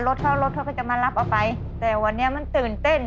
รถเข้ารถเขาก็จะมารับเอาไปแต่วันนี้มันตื่นเต้น